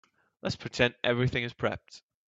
Let's pretend everything is prepped.